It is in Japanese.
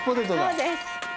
そうです。